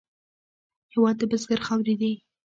هېواد د بزګر خاورې دي.